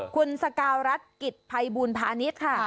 คุณสกาวรัฐกิจภัยบูลพาณิชย์ค่ะ